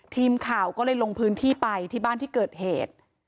ทีมข่าวก็เลยลงพื้นที่ไปที่บ้านที่เกิดเหตุ